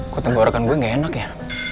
kok tenggorokan gue nggak enak ya